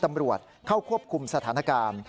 ตำรวจเข้าควบคุมสถานการณ์